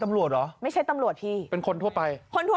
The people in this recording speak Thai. กลับมาที่สุดท้ายแล้วมันกลับมาที่สุดท้ายแล้ว